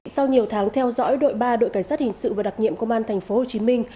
sau nhiều tháng theo dõi đội ba đội cảnh sát hình sự và đặc nhiệm công an thành phố hồ chí minh